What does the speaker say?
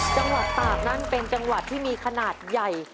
จังหวัดตากนั้นเป็นจังหวัดที่มีขนาดใหญ่